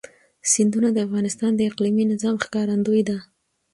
سیندونه د افغانستان د اقلیمي نظام ښکارندوی ده.